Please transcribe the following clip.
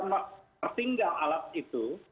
mersinggah alat itu